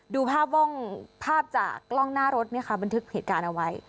ดูภาพจากกล้องหน้ารถนี่ค่ะเป็นทึกเหตุการณ์เอาไว้